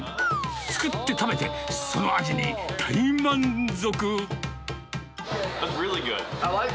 作って、食べて、その味に大満足。